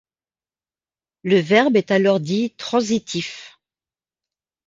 Le verbe est alors dit transitif.